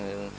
để đảm bảo